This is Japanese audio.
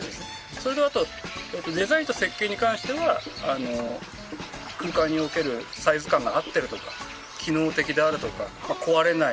それとあとデザインと設計に関しては空間におけるサイズ感が合ってるとか機能的であるとか壊れない。